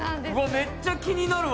めっちゃ気になるわ